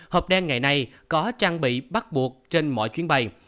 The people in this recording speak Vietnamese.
hộp đen ngày nay có trang bị bắt buộc trên mọi chuyến bay